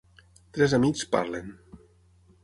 Tres amics parlen